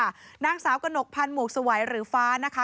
เยอะค่ะนางสาวกนกพรรณหมุกสวัยหรือฟ้านะคะ